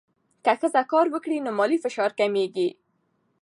که ښځه کار وکړي، نو مالي فشار کمېږي.